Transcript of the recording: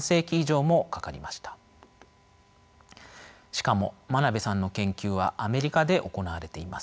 しかも眞鍋さんの研究はアメリカで行われています。